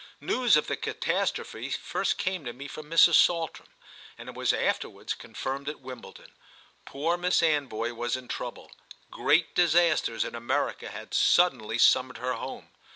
News of the catastrophe first came to me from Mrs. Saltram, and it was afterwards confirmed at Wimbledon: poor Miss Anvoy was in trouble—great disasters in America had suddenly summoned her home.